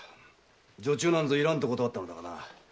女中なんぞいらんと断ったのだがな。